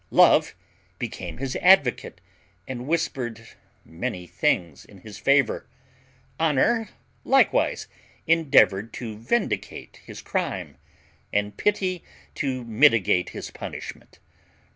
Love became his advocate, and whispered many things in his favour. Honour likewise endeavoured to vindicate his crime, and Pity to mitigate his punishment.